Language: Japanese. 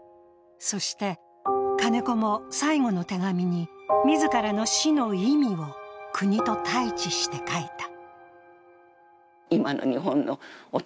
そして、金子も最後の手紙に、自らの死の意味を国と対置して書いた。